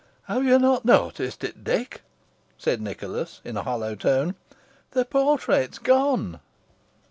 "Have you not noticed it, Dick?" said Nicholas, in a hollow tone. "The portrait is gone."